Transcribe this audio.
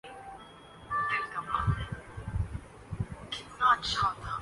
تازہ ہوا کے لیے درخت لگانا بہت ضروری ہے